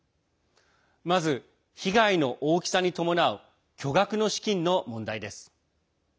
まず、被害の大きさに伴う巨額の資金の問題です。